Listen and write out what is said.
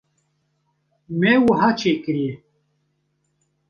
me wiha çêkiriye.